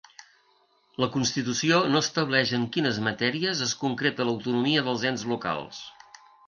La Constitució no estableix en quines matèries es concreta l'autonomia dels ens locals.